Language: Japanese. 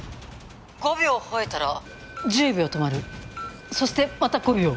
５秒吠えたら１０秒止まるそしてまた５秒。